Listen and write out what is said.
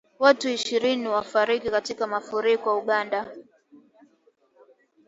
Watu ishirini wafariki katika mafuriko Uganda